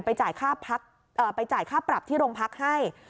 ไปจ่ายค่าพักเอ่อไปจ่ายค่าปรับที่โรงพักให้